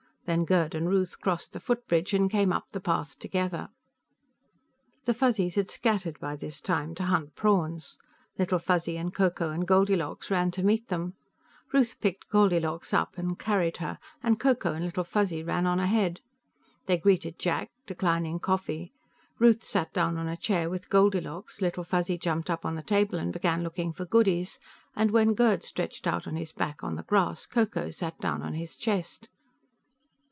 Then Gerd and Ruth crossed the footbridge and came up the path together. The Fuzzies had scattered, by this time, to hunt prawns. Little Fuzzy and Ko Ko and Goldilocks ran to meet them; Ruth picked Goldilocks up and carried her, and Ko Ko and Little Fuzzy ran on ahead. They greeted Jack, declining coffee; Ruth sat down in a chair with Goldilocks, Little Fuzzy jumped up on the table and began looking for goodies, and when Gerd stretched out on his back on the grass Ko Ko sat down on his chest.